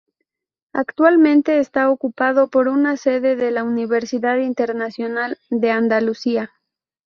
Actualmente está ocupado por una sede de la Universidad Internacional de Andalucía.